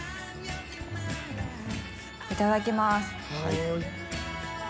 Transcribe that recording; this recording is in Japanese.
いただきます。